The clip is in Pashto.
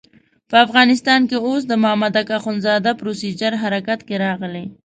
په افغانستان کې اوس د مامدک اخندزاده پروسیجر حرکت کې راغلی.